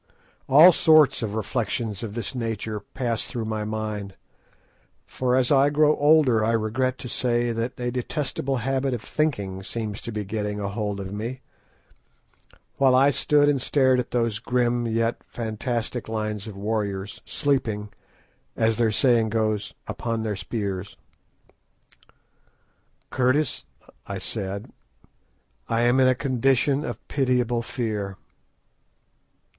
All sorts of reflections of this nature passed through my mind—for as I grow older I regret to say that a detestable habit of thinking seems to be getting a hold of me—while I stood and stared at those grim yet fantastic lines of warriors, sleeping, as their saying goes, "upon their spears." "Curtis," I said, "I am in a condition of pitiable fear."